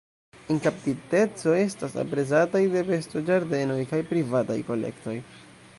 En kaptiteco estas aprezataj de bestoĝardenoj kaj privataj kolektoj.